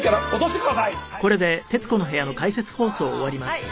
はい。